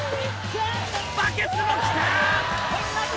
バケツもきた！